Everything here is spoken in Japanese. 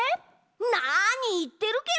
なにいってるケロ！